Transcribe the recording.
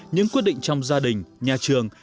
những quyết định trong gia đình nhà trường